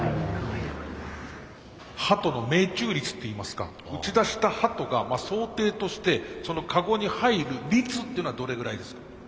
鳩の命中率っていいますか打ち出した鳩が想定としてそのカゴに入る率っていうのはどれぐらいですか？